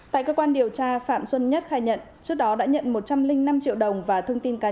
tại cơ quan điều tra phạm xuân nhất khai nhận trước đó đã nhận một trăm linh năm triệu đồng và thông tin cá nhân